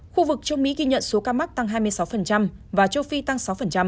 khu vực châu mỹ ghi nhận số ca mắc tăng hai mươi sáu và châu phi tăng sáu